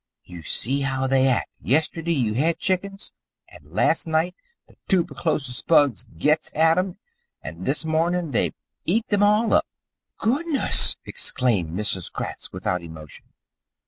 You see how they act yesterday you have chickens, and last night the toober chlosis bugs gets at them, and this morning they've eat them all up." "Goodness!" exclaimed Mrs. Gratz without emotion.